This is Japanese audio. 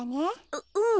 ううん。